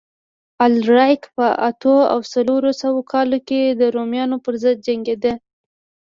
الاریک په اتو او څلور سوه کال کې د رومیانو پرضد جنګېده